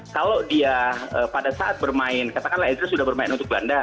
kalau dia pada saat bermain katakanlah edres sudah bermain untuk belanda